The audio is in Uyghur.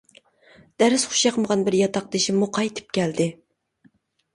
دەرس خۇشياقمىغان بىر ياتاقدىشىممۇ قايتىپ كەلدى.